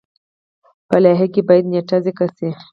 په لایحه کې باید نیټه ذکر شي.